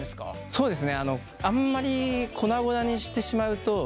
そうですね！